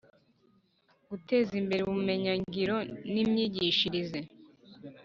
Guteza imbere Ubumenyingiro n Imyigishirize